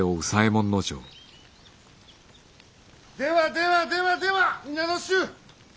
ではではではでは皆の衆！